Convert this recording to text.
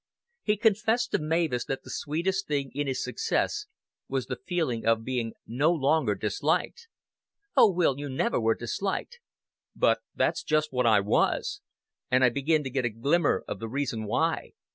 He confessed to Mavis that the sweetest thing in his success was the feeling of being no longer disliked. "Oh, Will, you never were disliked." "But that's just what I was. And I begin to get a glimmer of the reason why.